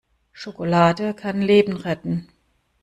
Schokolade kann Leben retten!